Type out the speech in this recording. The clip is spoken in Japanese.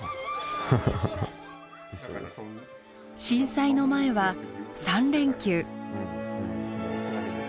震災の前は３連休。